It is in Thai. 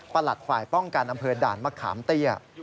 ฝ่ายป้องกันอำเภอด่านมะขามเตี้ย